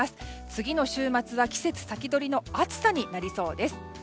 次の週末は季節先取りの暑さになりそうです。